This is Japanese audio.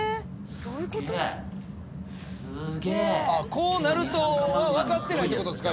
こうなるとはわかってないってことですか？